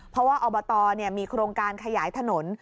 เพราะว่าอบตมีโครงการขยายถนน